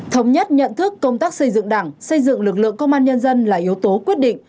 thống nhất nhận thức công tác xây dựng đảng xây dựng lực lượng công an nhân dân là yếu tố quyết định